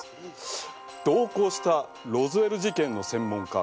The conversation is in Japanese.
同行したロズウェル事件の専門家